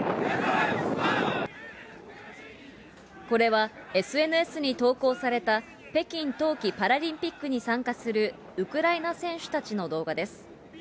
これは、ＳＮＳに投稿された北京冬季パラリンピックに参加するウクライナ選手たちの動画です。